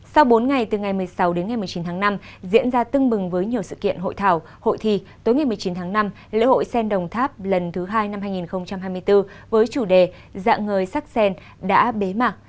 sau bốn ngày từ ngày một mươi sáu đến ngày một mươi chín tháng năm diễn ra tưng bừng với nhiều sự kiện hội thảo hội thi tối ngày một mươi chín tháng năm lễ hội sen đồng tháp lần thứ hai năm hai nghìn hai mươi bốn với chủ đề dạng người sắc sen đã bế mạc